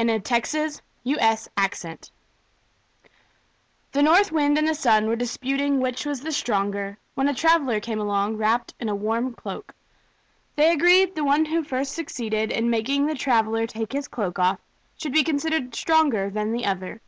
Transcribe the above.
Orthographic version The North Wind and the Sun were disputing which was the stronger, when a traveler came along wrapped in a warm cloak. They agreed that the one who first succeeded in making the traveler take his cloak off should be considered stronger than the other.